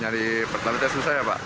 nyari pertalite susah ya pak